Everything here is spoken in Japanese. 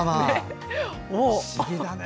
不思議だね。